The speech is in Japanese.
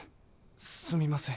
すみません。